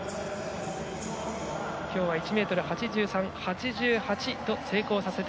今日は１ｍ８３、８８と成功させて。